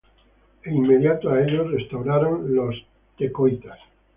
E inmediato á ellos restauraron los Tecoitas;